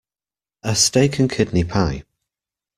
A steak-and-kidney pie.